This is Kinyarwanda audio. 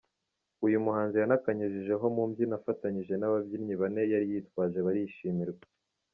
Uyu muhanzi yanakanyujijeho mu mbyino afatanyije n’ababyinnyi bane yari yitwaje barishimirwa.